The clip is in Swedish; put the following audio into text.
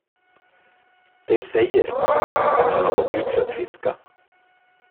De säger, att han har gått ut för att fiska.